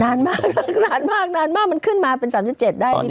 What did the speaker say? นานมากนานมากนานมากมันขึ้นมาเป็น๓๗ได้จริง